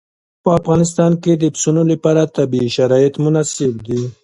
په افغانستان کې د پسونو لپاره طبیعي شرایط مناسب دي.